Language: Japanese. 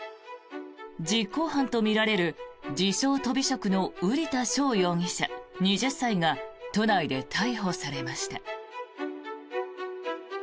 実行犯とみられる自称・とび職の瓜田翔容疑者、２０歳が都内で逮捕されました。